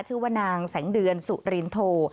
ชื่อว่านางแสงเดือนสุรินโท